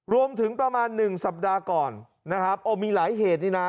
รวมถึงประมาณ๑สัปดาห์ก่อนมีหลายเหตุดินา